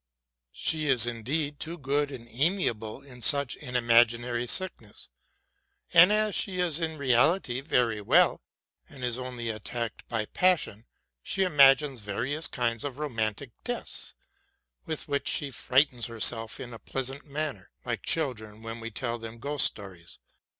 She is indeed too good and amiable in such an imaginary sickness; and as she is in reality very well, and is only attacked by passion, she imagines various kinds of romantic deaths, with which she frightens herself in a pleasant manner, like children when we tell them ghost stories.